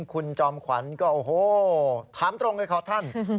คุณจอมขวัญก็โอ้โหถามตรงเลยครับท่าน